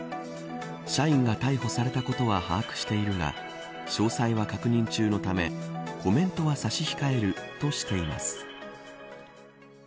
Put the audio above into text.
社員が逮捕されたことは把握しているが詳細は確認中のためコメントは差し控えるとしています。